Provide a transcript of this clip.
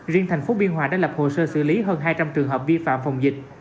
riêng thành phố biên hòa đã lập hồ sơ xử lý hơn hai trăm linh trường hợp vi phạm phòng dịch